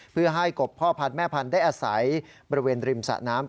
เพื่อให้กบพ่อพันธ์แม่พันธุ์ได้อาศัยบริเวณริมสะน้ำ